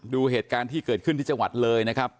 ดูเหตุการณ์ที่เกิดขึ้นที่จังหวัดเลยนะครับ